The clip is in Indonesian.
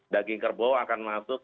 daging kerbau akan masuk